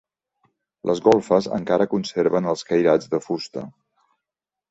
Les golfes encara conserven els cairats de fusta.